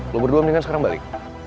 lo berdua mendingan sekarang balik